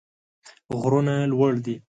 غرونه لوړ دي.